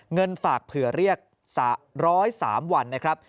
เงินฝากเผื่อเรียก๓๐๓วันนะครับ